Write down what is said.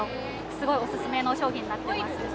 すごいオススメの商品になってます